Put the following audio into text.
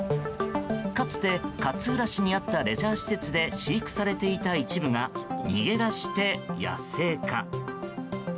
かつて勝浦市にあったレジャー施設で飼育されていた一部が逃げ出して野生化。